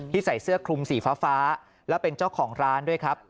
ใส่เสื้อคลุมสีฟ้าแล้วเป็นเจ้าของร้านด้วยครับ